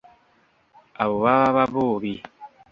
Abo baba Baboobi.